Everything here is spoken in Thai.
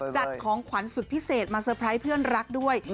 จัดของขวัญสุดพิเศษมาเตอร์ไพรส์เพื่อนรักด้วย